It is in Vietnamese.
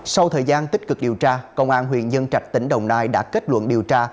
sau thời gian tích cực điều tra công an huyện nhân trạch tỉnh đồng nai đã kết luận điều tra